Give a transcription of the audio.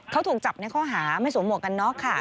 เขาถูกจับในข้อหาไม่สวมหวกกันน็อกค่ะ